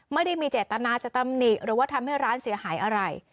ไม่ได้มีเจตนาจะตำหนิหรือว่าทำให้ร้านเสียหายอะไร